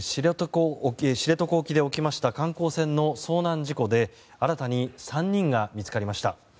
知床沖で起きました観光船の遭難事故で新たに３人が見つかりました。